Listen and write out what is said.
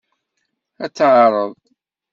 Ad teɛreḍ.